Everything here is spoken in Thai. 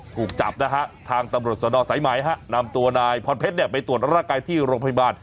ถูกจับนะฮะทางตำรวจสวดออกสายหมายฮะนำตัวนายพรเพชรเนี่ยไปตรวจรักษาการที่โรงพยาบาล